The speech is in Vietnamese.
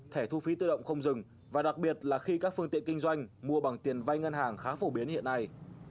thẻ thu phí tự động không dừng và đặc biệt là khi các phương tiện kinh doanh mua bằng tiền vai ngân hàng khá phổ biến hiện nay